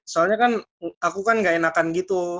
soalnya kan aku kan gak enakan gitu